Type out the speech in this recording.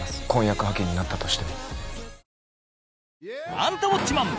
『アンタウォッチマン！』